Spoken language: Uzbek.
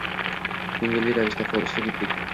Koʻngilli ravishda faol ishtirok etdik